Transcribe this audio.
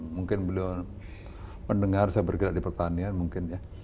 mungkin beliau mendengar saya bergerak di pertanian mungkin ya